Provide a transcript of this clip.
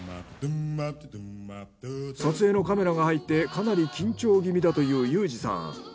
撮影のカメラが入ってかなり緊張気味だという裕二さん。